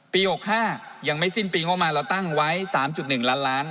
๖๕ยังไม่สิ้นปีงบประมาณเราตั้งไว้๓๑ล้านล้าน